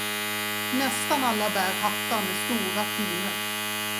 Nästan alla bär hattar med stora plymer.